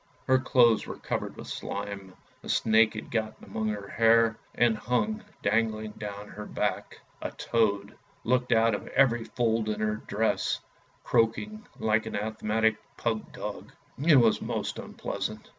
Her clothes were covered with slime, a snake had got among her hair, and hung dangling down her back. A toad looked out of every fold in her dress, croaking like an asthmatic pug dog. It was most unpleasant.